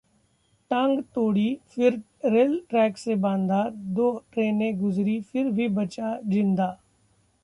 टांग तोड़ी फिर रेल ट्रैक से बांधा, दो ट्रेनें गुजरी फिर भी बचा जिंदा